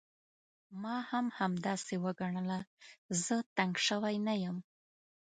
ما هم همداسې وګڼه، زه تنګ شوی نه یم.